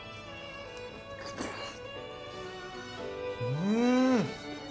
うん！